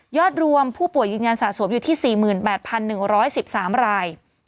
รวมผู้ป่วยยืนยันสะสมอยู่ที่๔๘๑๑๓ราย